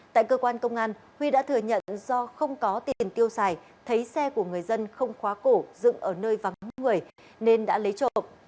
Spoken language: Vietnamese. tại cơ quan công an huy đã thừa nhận do không có tiền tiêu xài thấy xe của người dân không khóa cổ dựng ở nơi vắng người nên đã lấy trộm